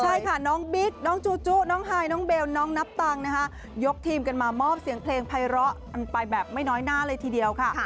ใช่ค่ะน้องบิ๊กน้องจูจุน้องไฮน้องเบลน้องนับตังค์นะคะยกทีมกันมามอบเสียงเพลงภัยร้อกันไปแบบไม่น้อยหน้าเลยทีเดียวค่ะ